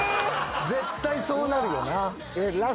絶対そうなるよな。